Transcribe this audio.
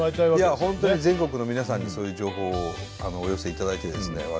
いや本当に全国の皆さんにそういう情報をお寄せいただいてですね